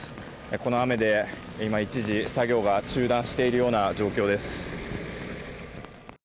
この雨で一時、作業が中断しているような状況です。